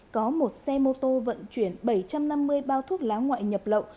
có một xe mô tô vận chuyển bảy trăm năm mươi bao thuốc lá ngoại nhập lậu